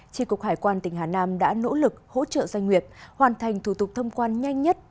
tri cục hải quan tỉnh hà nam đã nỗ lực hỗ trợ doanh nghiệp hoàn thành thủ tục thông quan nhanh nhất